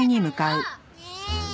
ねえ！